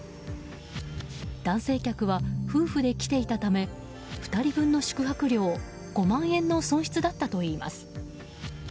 男性客は夫婦で来ていたため２人分の宿泊料５万円の損失だったといいます。